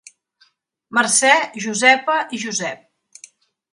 Mercè, Josepa i Josep.